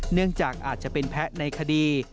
เนื่องจากอาจจะเป็นแพ้ในคดี